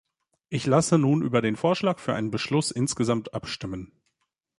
Ich lasse nun über den Vorschlag für einen Beschluss insgesamt abstimmen.